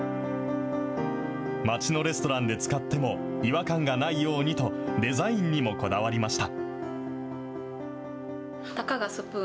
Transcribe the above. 街のレストランで使っても、違和感がないようにと、デザインにもこだわりました。